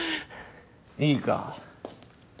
いいか？